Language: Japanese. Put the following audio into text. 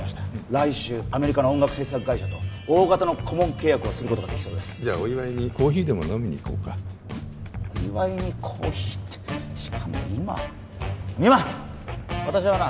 来週アメリカの音楽製作会社と大型の顧問契約をすることができそうですじゃお祝いにコーヒーでも飲みに行こうかお祝いにコーヒーってしかも今深山私はな